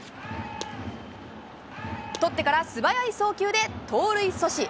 捕ってから素早い送球で盗塁阻止。